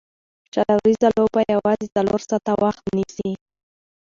شل اووريزه لوبه یوازي څلور ساعته وخت نیسي.